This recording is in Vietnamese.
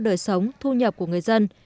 đời sống thu nhập của người dân